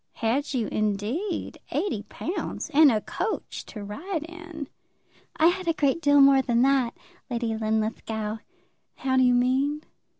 "Had you, indeed; eighty pounds; and a coach to ride in!" "I had a great deal more than that, Lady Linlithgow." "How do you mean?"